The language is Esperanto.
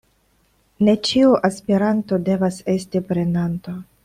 Ne ĉiu aspiranto devas esti prenanto.